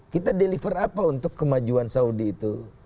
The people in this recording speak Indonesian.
kita deliver apa untuk kemajuan saudi itu